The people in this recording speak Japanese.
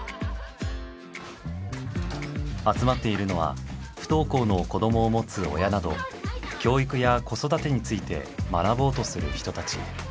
集まっているのは不登校の子どもを持つ親など教育や子育てについて学ぼうとする人たち。